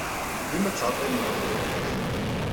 Dima ttɛeḍḍilen ɣef uɣerbaz.